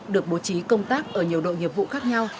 được bố trí công tác ở nhiều đội nghiệp vụ khác nhau